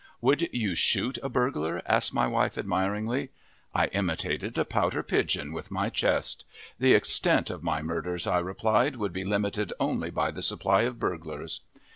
"Would you shoot a burglar?" asked my wife admiringly. I imitated a pouter pigeon with my chest. "The extent of my murders," I replied, "would be limited only by the supply of burglars."